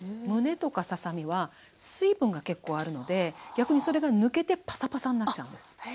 むねとかささ身は水分が結構あるので逆にそれが抜けてパサパサになっちゃうんです。